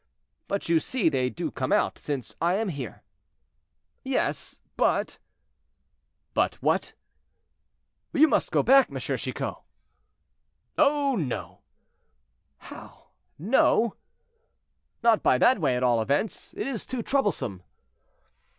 "But you see they do come out, since I am here." "Yes, but—" "But what?" "You must go back, M. Chicot." "Oh! no."—"How! no?" "Not by that way, at all events; it is too troublesome."